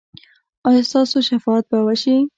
ایا ستاسو شفاعت به وشي؟